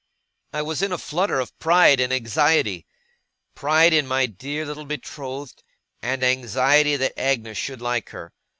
I was in a flutter of pride and anxiety; pride in my dear little betrothed, and anxiety that Agnes should like her.